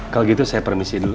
kalau gitu saya permisi dulu